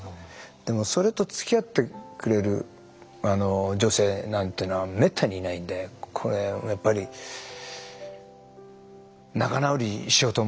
でもそれとつきあってくれる女性なんていうのはめったにいないんでこれはやっぱり仲直りしようと思ってね。